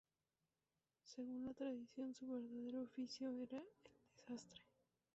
Según la tradición, su verdadero oficio era el de sastre.